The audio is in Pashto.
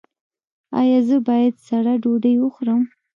ایا زه باید سړه ډوډۍ وخورم؟